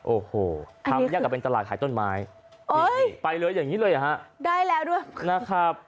โอ้โหทำอย่างกับอินตรายขายต้นไม้ไปเลยอย่างนี้เลยฮะได้แล้วด้วยนะครับ